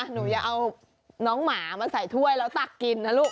หนูอย่าเอาน้องหมามาใส่ถ้วยแล้วตักกินนะลูก